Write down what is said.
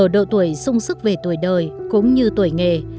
độ tuổi sung sức về tuổi đời cũng như tuổi nghề